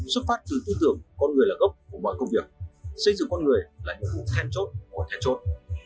xuất phát từ tư tưởng con người là gốc của mọi công việc xây dựng con người là nhu cung thêm chốt của thêm chốt